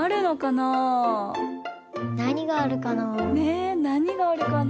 なにがあるかな？